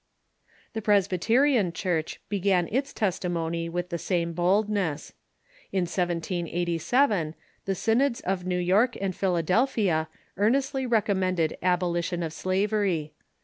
The Presbyterian Church began its testimony with the same boldness. In 1787, the synods of New York and Philadelphia earnestly recommended abolition of slavery.